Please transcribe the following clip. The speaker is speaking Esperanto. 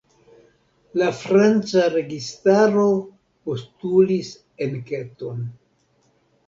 La franca registaro postulis enketon.